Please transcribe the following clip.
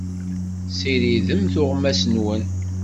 Ssiridem tuɣmas-nwen.